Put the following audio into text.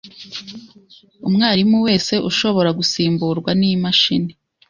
Umwarimu wese ushobora gusimburwa nimashini.